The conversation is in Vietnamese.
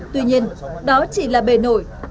tuy nhiên đó chỉ là bề nổi